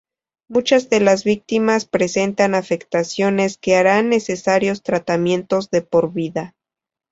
Muchas de las víctimas presentan afectaciones que harán necesarios tratamientos de por vida.